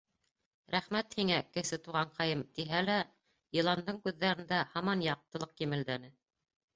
— Рәхмәт һиңә, Кесе Туғанҡайым, — тиһә лә, Йыландың күҙҙәрендә һаман яҡтылыҡ емелдәне.